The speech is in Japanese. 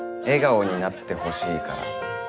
笑顔になってほしいから。